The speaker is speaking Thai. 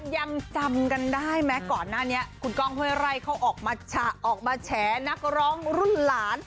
ยังจำกันได้ไหมก่อนหน้านี้คุณก้องห้วยไร่เขาออกมาฉะออกมาแฉนักร้องรุ่นหลาน